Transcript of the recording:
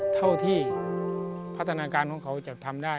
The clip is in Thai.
เท่าที่พัฒนาการของเขาจะทำได้